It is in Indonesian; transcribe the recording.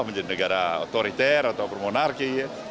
apa menjadi negara otoriter atau bermonarki ya